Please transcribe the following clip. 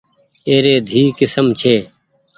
اي ري دئي ڪسم ڇي۔